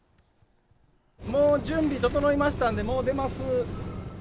もう準備整いましたんで、もう出ます。